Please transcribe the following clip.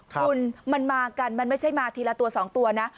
คุณมันมากันมันไม่ใช่มาทีละตัว๒ตัวนะ